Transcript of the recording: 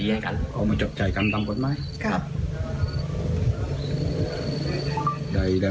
ได้สำหรับมา